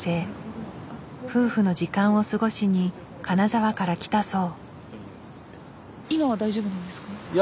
夫婦の時間を過ごしに金沢から来たそう。